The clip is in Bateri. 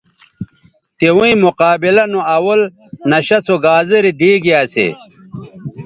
تویں مقابلہ نو اول نشہ سو گازرے دیگے اسے